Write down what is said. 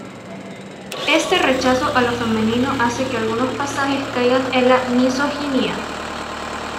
Este rechazo a lo femenino hace que algunos pasajes caigan en la misoginia.